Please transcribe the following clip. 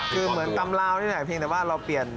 คือเหมือนตำราวนี่แหละเพียงแต่ว่าเราเปลี่ยน